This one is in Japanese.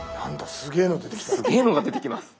すげえのが出てきます。